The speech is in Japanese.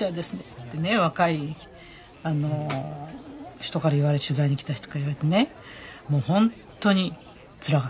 ってね若い人から取材に来た人から言われてねもうほんとにつらかったと。